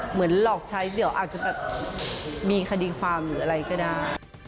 หลอกใช้เดี๋ยวอาจจะแบบมีคดีความหรืออะไรก็ได้